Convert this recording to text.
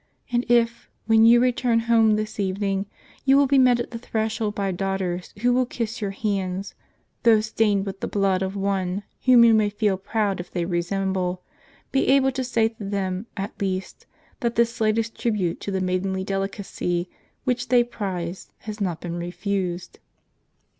And if, when you return home this evening, you will be met at the threshold by daughters, who will kiss your hand, though stained with the blood of one, whom you may feel proud if they resemble, be able to say to them, at least, that this slightest tribute to the maidenly delicacy which they prize has not been refused."